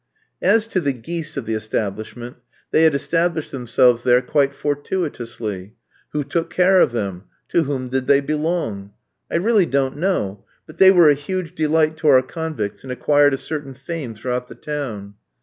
As to the geese of the establishment, they had established themselves there quite fortuitously. Who took care of them? To whom did they belong? I really don't know; but they were a huge delight to our convicts, and acquired a certain fame throughout the town.